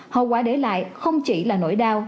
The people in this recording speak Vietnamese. hậu quả để lại không chỉ là nỗi đau